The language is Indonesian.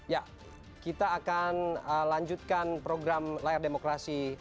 ya kita akan lanjutkan program layar demokrasi